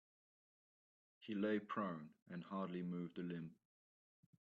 He lay prone and hardly moved a limb.